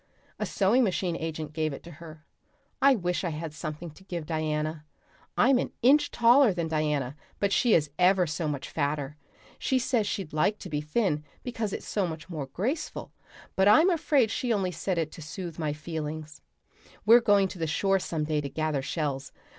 A sewing machine agent gave it to her. I wish I had something to give Diana. I'm an inch taller than Diana, but she is ever so much fatter; she says she'd like to be thin because it's so much more graceful, but I'm afraid she only said it to soothe my feelings. We're going to the shore some day to gather shells.